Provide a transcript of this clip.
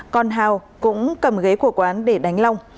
còn hào cũng cầm ghế của quán để đánh long